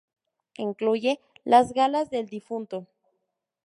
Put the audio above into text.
Incluye "Las galas del difunto".